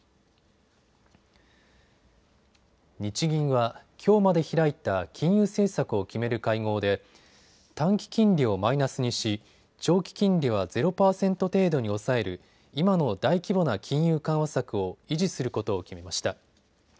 日銀はきょうまで開いた金融政策を決める会合で短期金利をマイナスにし、長期金利はゼロ％程度に抑える今の大規模な金融緩和策を維持することを決めました。